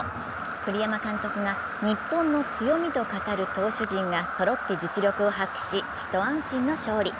栗山監督が日本の強みと語る投手陣がそろって実力を発揮し一安心の勝利。